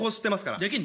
できんの？